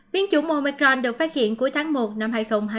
biến dụng omicron được phát hiện cuối tháng một năm hai nghìn hai mươi một